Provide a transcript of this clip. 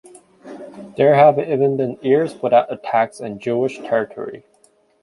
There have even been years without attacks in Jewish territory.